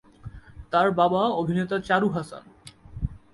তার বাবা অভিনেতা চারুহাসান।